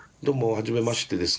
はじめましてです。